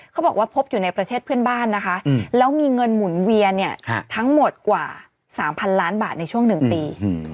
เขาบอกว่าพบอยู่ในประเทศเพื่อนบ้านนะคะแล้วมีเงินหมุนเวียนเนี่ยทั้งหมดกว่า๓๐๐ล้านบาทในช่วง๑ปี